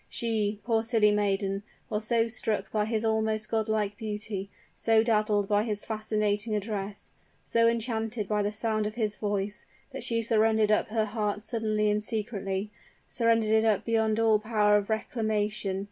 She poor silly maiden! was so struck by his almost god like beauty so dazzled by his fascinating address so enchanted by the sound of his voice, that she surrendered up her heart suddenly and secretly surrendered it beyond all power of reclamation.